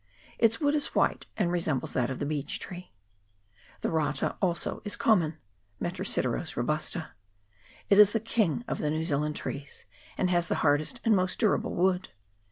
Its wood is white, and resembles that of the beech tree. The rata also is common (Metrosideros robusta). It is the king of the New Zealand trees, and has the hardest and most durable wood.